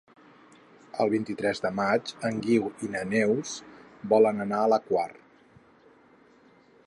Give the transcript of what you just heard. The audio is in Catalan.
El vint-i-tres de maig en Guiu i na Neus volen anar a la Quar.